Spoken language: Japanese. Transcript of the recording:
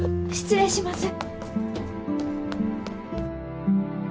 失礼します。